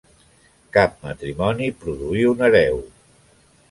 Cap matrimoni produir un hereu.